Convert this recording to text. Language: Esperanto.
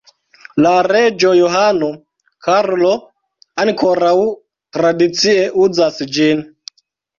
La reĝo Johano Karlo ankoraŭ tradicie uzas ĝin.